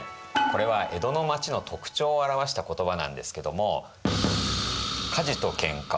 これは江戸の町の特徴を表した言葉なんですけども。